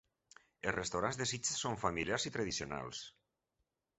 Els restaurants de Sitges són familiars i tradicionals.